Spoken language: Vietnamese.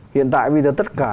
hiện tại bây giờ tất cả